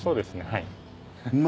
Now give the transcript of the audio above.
はい。